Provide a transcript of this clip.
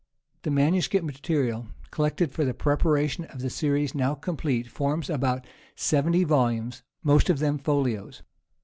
The manuscript material collected for the preparation of the series now complete forms about seventy volumes, most of them folios.